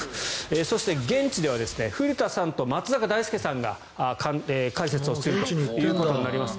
そして現地では古田さんと松坂大輔さんが解説をするということになります。